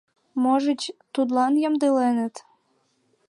Можыч, тудлан ямдыленыт?..